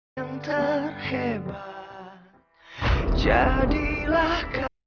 yang terhebat jadilah